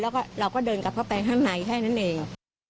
แล้วก็เราก็เดินกลับเข้าไปข้างในแค่นั้นเอง